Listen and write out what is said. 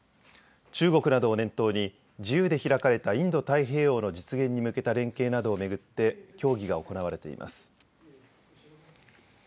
中国などを念頭に自由で開かれたインド太平洋の実現に向けた連携などを巡って協議が行われています。